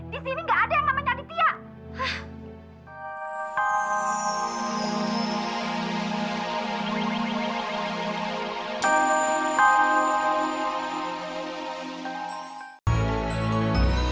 di sini gak ada yang namanya aditya